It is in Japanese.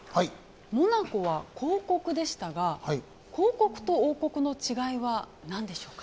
モナコは公国でしたが公国と王国の違いは何でしょうか。